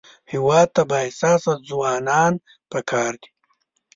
هېواد ته بااحساسه ځوانان پکار دي